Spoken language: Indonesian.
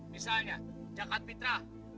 misalnya jakad pitra